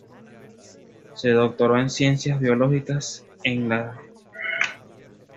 Se doctoró en Ciencias Biológicas en la St.